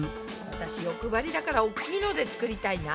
私欲張りだから大きいので作りたいな。